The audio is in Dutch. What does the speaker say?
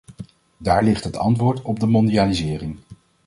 Daar ligt het antwoord op de mondialisering.